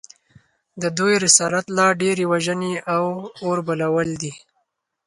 د دوی رسالت لا ډېرې وژنې او اوربلول دي